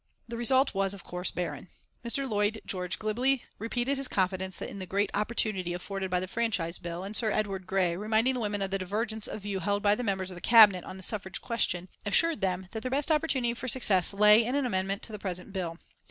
The result was, of course, barren. Mr. Lloyd George glibly repeated his confidence in the "great opportunity" afforded by the Franchise Bill, and Sir Edward Grey, reminding the women of the divergence of view held by the members of Cabinet on the suffrage question, assured them that their best opportunity for success lay in an amendment to the present bill.